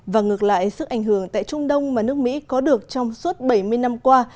và ngược lại sức ảnh hưởng tại trung đông mà nước mỹ có được trong suốt bảy mươi năm qua